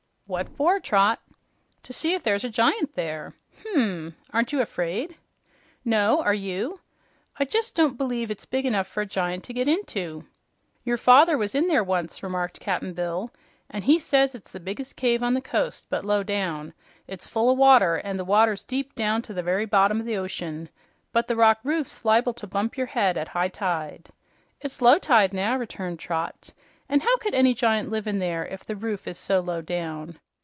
"What for, Trot?" "To see if there's a giant there." "Hm. Aren't you 'fraid?" "No, are you? I just don't b'lieve it's big enough for a giant to get into." "Your father was in there once," remarked Cap'n Bill, "an' he says it's the biggest cave on the coast, but low down. It's full o' water, an' the water's deep down to the very bottom o' the ocean; but the rock roof's liable to bump your head at high tide ." "It's low tide now," returned Trot. "And how could any giant live in there if the roof is so low down?"